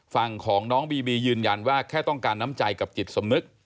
ฝั่งของน้องบีบียืนยันว่าแค่ต้องการน้ำใจกับจิตสำนึก